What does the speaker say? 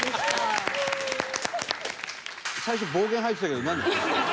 最初暴言吐いてたけど何？